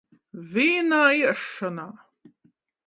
Vīnā iesšonā